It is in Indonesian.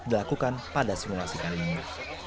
dilakukan pada simulasi kali ini